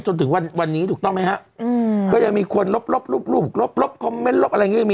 จนถึงวันวันนี้ถูกต้องไหมหรอก็ยังมีคนรบลูปลูปรบคอมเม้นท์